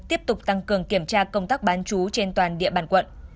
tiếp tục tăng cường kiểm tra công tác bán chú trên toàn địa bàn quận